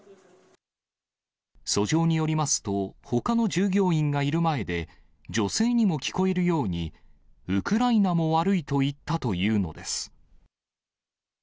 訴状によりますと、ほかの従業員がいる前で、女性にも聞こえるように、ウクライナも悪いと言ったというのです。